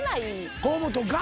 河本が？